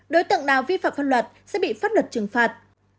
đối tượng nào vi phạm pháp luật sẽ bị pháp luật trừng phạt